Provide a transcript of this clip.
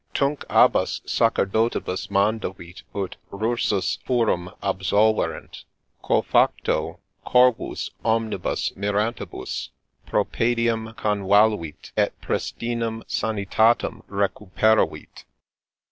' Tune abbas sacerdotibus mandavit ut rursus furem absolverent ; quo facto, Corvus, omnibus mirantibus, propediem convaluit, et pristinam sanitatem recuperavit.'